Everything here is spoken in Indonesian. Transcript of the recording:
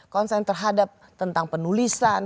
konsen terhadap tentang penulisan